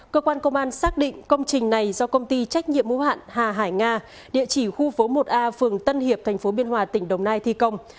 cơ quan công an xác định công trình này do công ty trách nhiệm hữu hạn hà hải nga địa chỉ khu phố một a phường tân hiệp tp biên hòa tỉnh đồng nai thi công